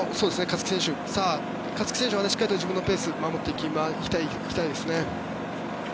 勝木選手はしっかりと自分のペースを守っていきたいですね。